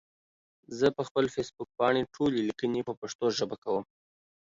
زه پخپل فيسبوک پاڼې ټولي ليکني په پښتو ژبه کوم